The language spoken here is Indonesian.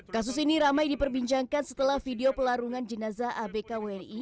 kasus ini ramai diperbincangkan setelah video pelarungan jenazah abk wni